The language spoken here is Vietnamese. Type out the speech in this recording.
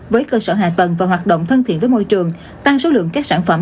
với cơ sở hạ tầng và hoạt động thân thiện với môi trường tăng số lượng các sản phẩm